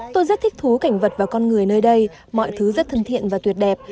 tôi rất thích thú cảnh vật và con người nơi đây mọi thứ rất thân thiện và tuyệt đẹp